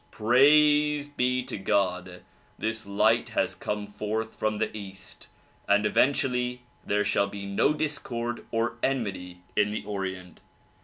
Praise be to God ! this light has come forth from the east and eventually there shall be no discord or enmity in the Orient.